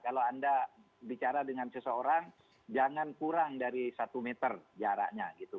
kalau anda bicara dengan seseorang jangan kurang dari satu meter jaraknya gitu